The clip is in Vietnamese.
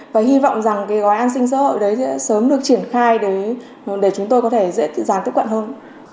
và hy vọng rằng gói an sinh sở hữu đấy sẽ sớm được triển khai để chúng tôi có thể dễ dàng tiếp cận hơn